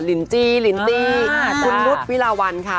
ลินจี้ลินตี้คุณนุษย์วิลาวันค่ะ